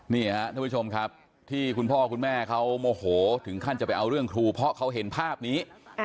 นี่ครับท่านผู้ชมครับที่คุณพ่อคุณแม่เขาโมโหถึงขั้นจะไปเอาเรื่องครูเพราะเขาเห็นภาพนี้